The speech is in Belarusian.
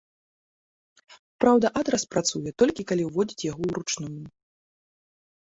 Праўда, адрас працуе, толькі калі уводзіць яго уручную.